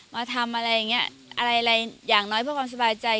มาทำอะไรอย่างนี้อะไรอย่างน้อยเพื่อความสบายใจ